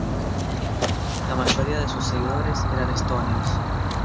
La mayoría de sus seguidores eran estonios.